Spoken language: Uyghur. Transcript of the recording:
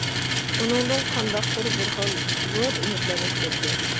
ئۇنىڭدىن قانداقتۇر بىر خىل زور ئۈمىدلەرنى كۈتەتتى.